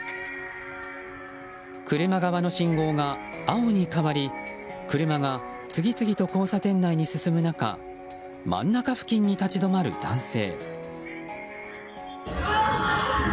車側の信号が青に変わり車が次々と交差点内に進む中真ん中付近に立ち止まる男性。